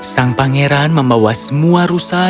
sang pangeran membawa semua rupanya ke rumah